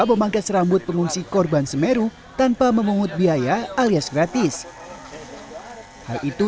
memakai serambut pengungsi korban semeru tanpa memungut biaya alias gratis hai itu